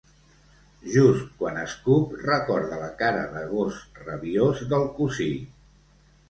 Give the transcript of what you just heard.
Just quan escup recorda la cara de gos rabiós del cosí.